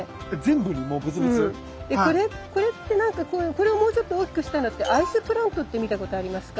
これをもうちょっと大きくしたのってアイスプラントって見たことありますか？